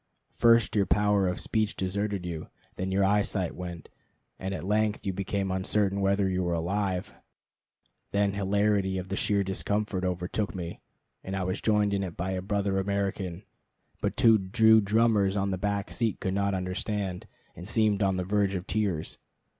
First your power of speech deserted you, then your eyesight went, and at length you became uncertain whether you were alive. Then hilarity at the sheer discomfort overtook me, and I was joined in it by a brother American; but two Jew drummers on the back seat could not understand, and seemed on the verge of tears.